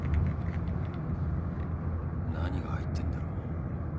何が入ってんだろう。